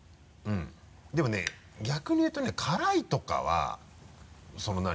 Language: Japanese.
でもね逆に言うとね辛いとかはその何？